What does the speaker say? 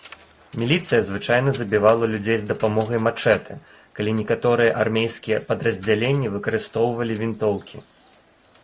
Міліцыя звычайна забівала людзей з дапамогай мачэтэ, калі некаторыя армейскія падраздзяленні выкарыстоўвалі вінтоўкі.